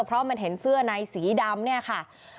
เพราะมันเห็นเสื้อในสีดำเนี่ยค่ะ